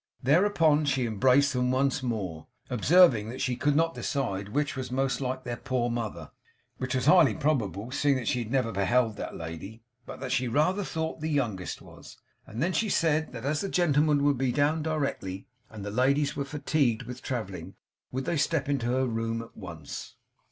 Thereupon she embraced them once more, observing that she could not decide which was most like their poor mother (which was highly probable, seeing that she had never beheld that lady), but that she rather thought the youngest was; and then she said that as the gentlemen would be down directly, and the ladies were fatigued with travelling, would they step into her room at once?